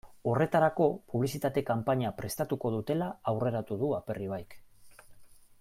Horretarako publizitate kanpaina prestatuko dutela aurreratu du Aperribaik.